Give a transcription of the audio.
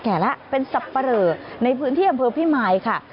แก่แล้วเป็นสับปะเหลอในพื้นที่อำเภอพิมายค่ะ